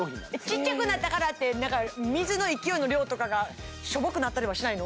ちっちゃくなったからって何か水の勢いの量とかがショボくなったりはしないの？